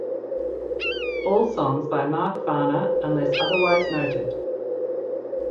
All songs by Mark Farner unless otherwise noted.